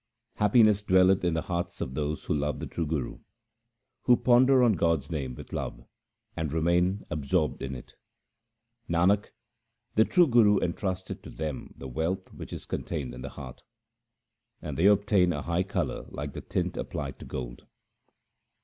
Happiness dwelleth in the hearts of those who love the true Guru, Who ponder on God's name with love and remain ab sorbed in it. Nanak, the true Guru hath entrusted to them the wealth which is contained in the heart, And they obtain a high colour like the tint 1 applied to gold.